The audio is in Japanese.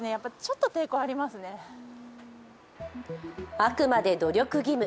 あくまでも努力義務。